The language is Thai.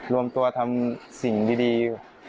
รวมตัวทำสิ่งดี